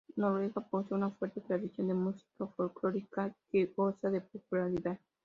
Noruega posee una fuerte tradición de música folclórica que goza de popularidad.